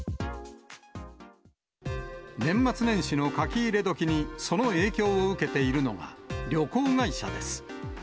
年末年始の書き入れ時にその影響を受けているのが、旅行会社です。